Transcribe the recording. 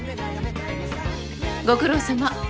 ご苦労さま。